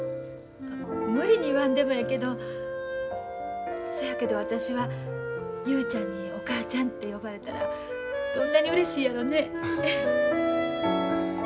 無理に言わんでもええけどせやけど私は雄ちゃんにお母ちゃんって呼ばれたらどんなにうれしいやろね。